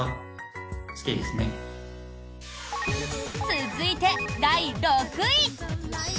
続いて、第６位。